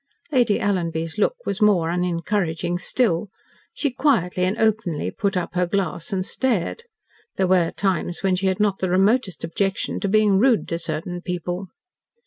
Lady Alanby's look was more unencouraging still. She quietly and openly put up her glass and stared. There were times when she had not the remotest objection to being rude to certain people.